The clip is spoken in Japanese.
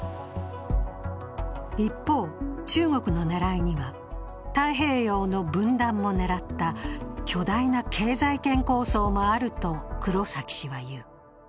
一方、中国の狙いには太平洋の分断も狙った巨大な経済圏構想もあると黒崎氏は言う。